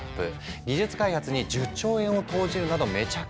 技術開発に１０兆円を投じるなどめちゃくちゃ本腰を入れてるの。